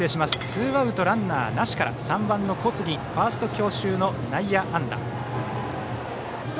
ツーアウトランナーなしから３番の小杉ファースト強襲の内野安打。